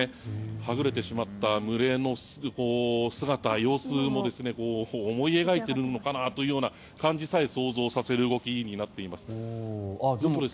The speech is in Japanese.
はぐれてしまった群れの姿、様子も思い描いているのかなというような感じさえ想像させる動きになっています。